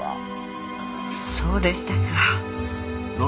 そうでしたか。